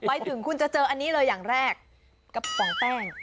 ไปถึงคุณจะเจออันนี้เลยอย่างแรกกระป๋องแป้ง